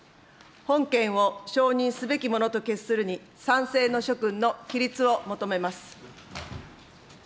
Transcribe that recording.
本件を承認すべきものと決するに賛成の諸君の起立を求めます。